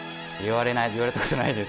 言われたことないです。